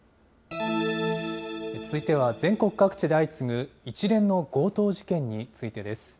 続いては、全国各地で相次ぐ一連の強盗事件についてです。